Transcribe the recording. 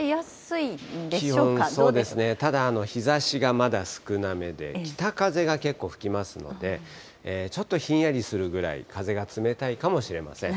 ただ日ざしがまだ少なめで、北風が結構、吹きますので、ちょっとひんやりするぐらい、風が冷たいかもしれません。